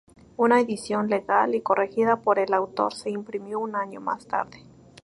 Una edición legal y corregida por el autor se imprimió un año más tarde.